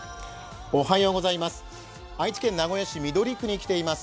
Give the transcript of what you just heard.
愛知県名古屋市緑区に来ています。